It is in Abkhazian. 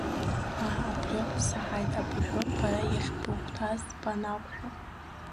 Аа, абри саҳаит, абыржәоуп бара иахьбыхәҭаз банақәшәа!